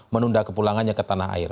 menunda kepulangannya ke tanah air